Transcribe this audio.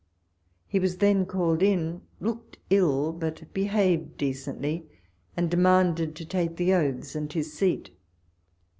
He was then called in, looked ill, but behaved decently, and demanded to take the oaths and his seat.